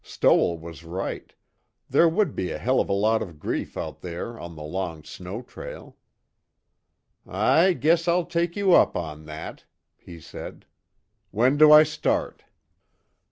Stoell was right, there would be a hell of a lot of grief out there on the long snow trail. "I guess I'll take you up on that," he said, "When do I start?"